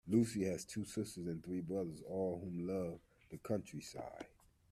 Lucy has two sisters and three brothers, all of whom love the countryside